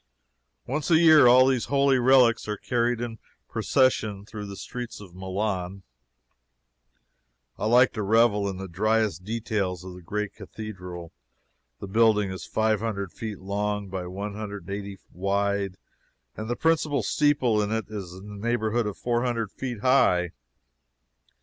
Once a year all these holy relics are carried in procession through the streets of Milan. I like to revel in the dryest details of the great cathedral. The building is five hundred feet long by one hundred and eighty wide, and the principal steeple is in the neighborhood of four hundred feet high.